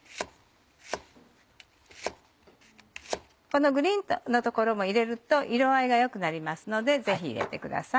このグリーンの所も入れると色合いが良くなりますのでぜひ入れてください